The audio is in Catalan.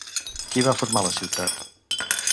Qui va formar la ciutat?